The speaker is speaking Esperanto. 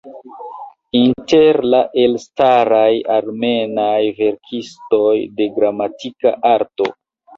Inter la elstaraj armenaj verkistoj de "Gramatika Arto".